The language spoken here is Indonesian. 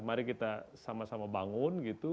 mari kita sama sama bangun gitu